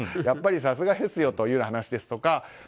やっぱりさすがですよという話ですとかＰＬ